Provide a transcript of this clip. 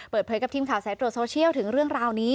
เปิดเผยกับทีมข่าวสายตรวจโซเชียลถึงเรื่องราวนี้